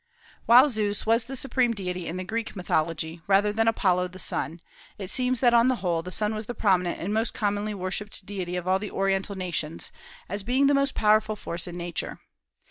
While Zeus was the supreme deity in the Greek mythology, rather than Apollo the sun, it seems that on the whole the sun was the prominent and the most commonly worshipped deity of all the Oriental nations, as being the most powerful force in Nature.